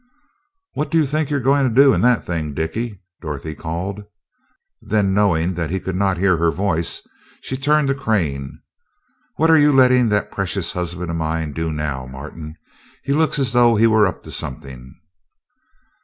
"What do you think you're going to do in that thing, Dickie?" Dorothy called. Then, knowing that he could not hear her voice, she turned to Crane. "What are you letting that precious husband of mine do now, Martin? He looks as though he were up to something."